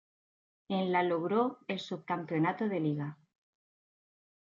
En la logró el subcampeonato de liga.